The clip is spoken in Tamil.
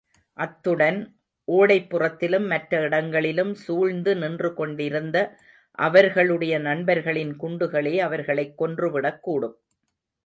அத்துடன் ஓடைப்புறத்திலும், மற்ற இடங்களிலும் சூழ்ந்து நின்று கொண்டிருந்த அவர்களுடைய நண்பர்களின் குண்டுகளே அவர்களைக் கொன்றுவிடக்கூடும்.